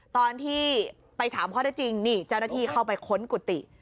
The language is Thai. ตอนที่ไปถามข้อได้จริงนี่เจ้าหน้าที่เข้าไปค้นกุฏิ